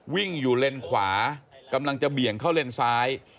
วิ่งอยู่เลนขวากำลังจะเบี่ยงเข้าเลนซ้าย